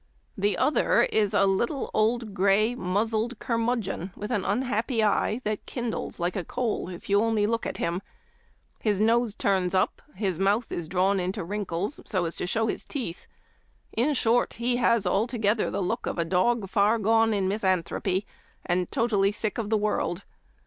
The other is a little, old, gray, muzzled curmudgeon, with an un happy eye that kindles like a coal if you only Memoir of Washington Irving. 113 look at him ; his nose turns up, his mouth is drawn into wrinkles so as to show his teeth ; in short, he has altogether the look of a dog far gone in misanthropy, and totally sick of the world.